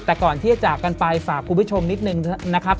แต่ก่อนที่จะจากกันไปฝากคุณผู้ชมนิดนึงนะครับ